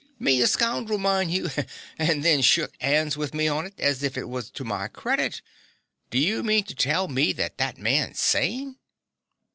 Me a scounderl, mind you! And then shook 'ands with me on it, as if it was to my credit! Do you mean to tell me that that man's sane?